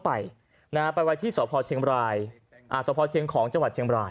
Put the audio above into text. ไม่ไหวไม่ไหว